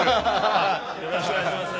よろしくお願いします。